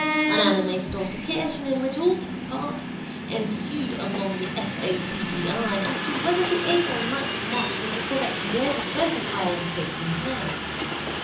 An animated altercation (in which all took part) ensued among the F. O. T. E. I. as to whether the eighth or the ninth of March was the correct date of the birth of Ireland's patron saint.